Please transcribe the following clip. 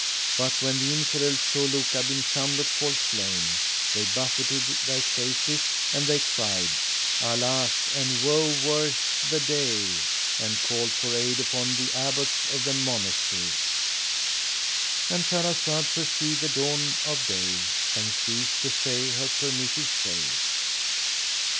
[FN#394] But when the Infidels saw Luka bin Shamlut fall slain, they buffeted their faces and they cried, "Alas!" and "Woe worth the day!" and called for aid upon the Abbots of the monasteries,—And Shahrazad perceived the dawn of day and ceased to say her permitted say.